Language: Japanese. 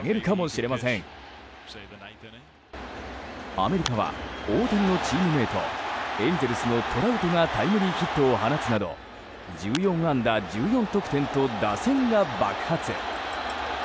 アメリカは大谷のチームメートエンゼルスのトラウトがタイムリーヒットを放つなど１４安打１４得点と打線が爆発。